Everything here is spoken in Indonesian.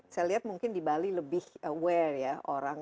saya lihat mungkin di bali lebih aware ya orang